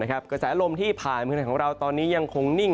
กระแสลมที่ผ่านเมืองไทยของเราตอนนี้ยังคงนิ่ง